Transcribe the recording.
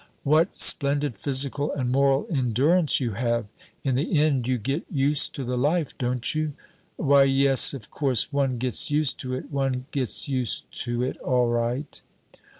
"What splendid physical and moral endurance you have! In the end you get used to the life, don't you?" "Why, yes, of course, one gets used to it one gets used to it all right."